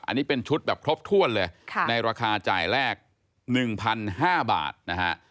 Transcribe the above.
อันนี้เป็นชุดแบบครบถ้วนเลยในราคาจ่ายแรก๑๕๐๐บาทนะฮะ